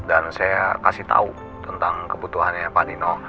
dan saya kasih tau tentang kebutuhannya pak nino